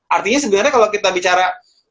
artinya sebenarnya kalau kita bicara